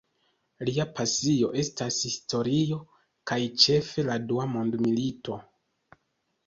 Lia pasio estas historio, kaj ĉefe la Dua mondmilito.